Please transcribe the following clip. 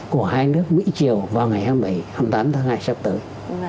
của hai nước mỹ triều vào ngày hai mươi hai tháng hai sắp tới